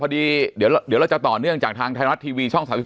พอดีเดี๋ยวเราจะต่อเนื่องจากทางไทยรัฐทีวีช่อง๓๒